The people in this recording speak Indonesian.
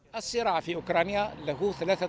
ketika di ukraina ada tiga tanda